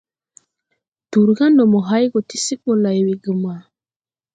Dur ga ndo mo hay go ti se ɓo lay wegema.